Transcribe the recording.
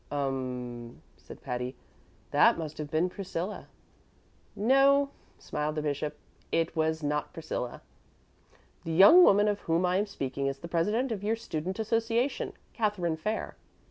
'" "Um m," said Patty; "that must have been Priscilla." "No," smiled the bishop, "it was not Priscilla. The young woman of whom I am speaking is the president of your Student Association, Catherine Fair."